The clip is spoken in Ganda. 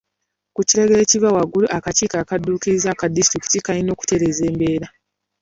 Ku kiragiro ekiva waggulu, akakiiko akadduukirize aka disitulikiti kaalina okutereeza embeera.